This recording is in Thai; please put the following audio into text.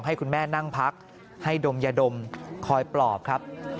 ให้คุณแม่นั่งพักให้ดมยาดมคอยปลอบครับ